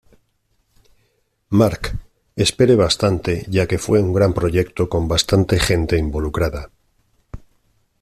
Mark: Espere bastante ya que fue un gran proyecto con bastante gente involucrada.